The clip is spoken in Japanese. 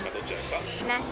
なし？